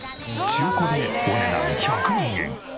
中古でお値段１００万円。